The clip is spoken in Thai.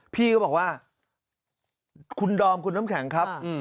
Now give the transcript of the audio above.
พี่ก็บอกว่าคุณดอมคุณน้ำแข็งครับ